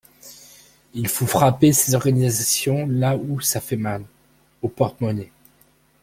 Il faut frapper ces organisations là où ça fait mal, au porte-monnaie.